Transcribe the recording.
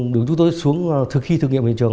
đường chúng tôi xuống khi thực nghiệm hiện trường